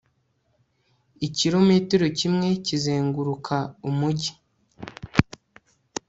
Ikirometero kimwe kizenguruka umujyi